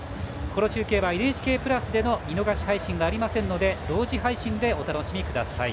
この中継は「ＮＨＫプラス」での見逃し配信はありませんので同時配信でお楽しみください。